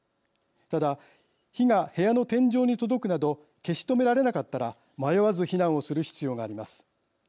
ただ、火が部屋の天井に届くなど消し止められなかったら迷わず避難をする必要があります。